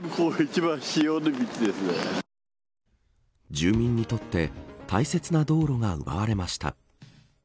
住民にとって大切な道路が奪われました。